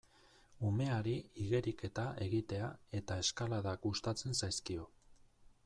Umeari igeriketa egitea eta eskalada gustatzen zaizkio.